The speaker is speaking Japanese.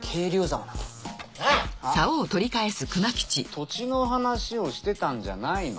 土地の話をしてたんじゃないの？